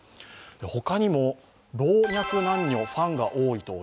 他にも老若男女、ファンが多いです